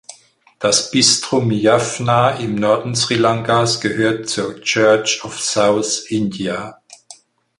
Das Bistum Jaffna im Norden Sri Lankas gehört zur Church of South India.